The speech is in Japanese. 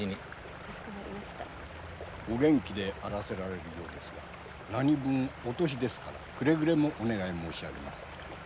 お元気であらせられるようですがなにぶんお年ですからくれぐれもお願い申し上げます。